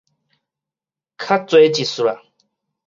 較濟一屑仔